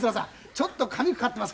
ちょっと髪かかってますけどね。